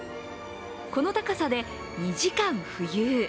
この高さで２時間浮遊。